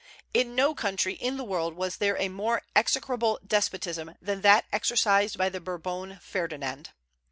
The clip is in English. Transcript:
In no country in the world was there a more execrable despotism than that exercised by the Bourbon Ferdinand.